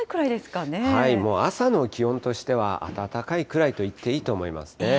もう朝の気温としては、暖かいくらいと言っていいと思いますね。